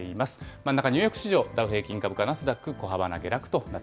真ん中ニューヨーク市場、ダウ平均株価、ナスダック、小幅な下落